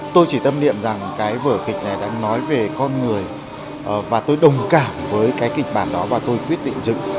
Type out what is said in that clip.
tôi chỉ tâm niệm rằng cái vở kịch này đang nói về con người và tôi đồng cảm với cái kịch bản đó và tôi quyết định dựng